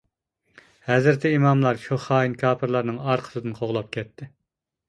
ھەزرىتى ئىماملار شۇ خائىن كاپىرلارنىڭ ئارقىسىدىن قوغلاپ كەتتى.